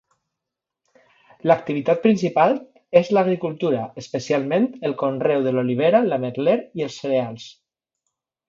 L'activitat principal és l'agricultura, especialment el conreu de l'olivera, l'ametller i els cereals.